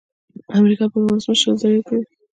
امریکا پر ولسمشر زېری کوي.